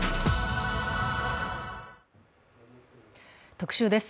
特集です。